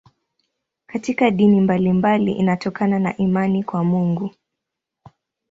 Katika dini mbalimbali inatokana na imani kwa Mungu.